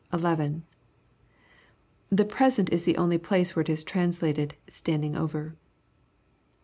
The present is tlie only place where it is translated " standing over."